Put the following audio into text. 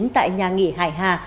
tại nhà nghỉ hải hà